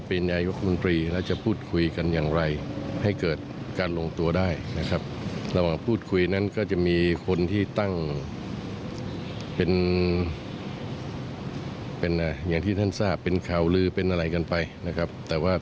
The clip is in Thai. เอาฟังบิ๊กป๊อกตอบค่ะ